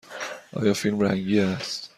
آیا فیلم رنگی است؟